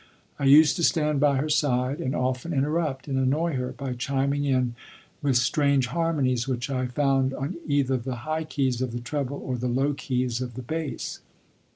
I used to stand by her side and often interrupt and annoy her by chiming in with strange harmonies which I found on either the high keys of the treble or the low keys of the bass.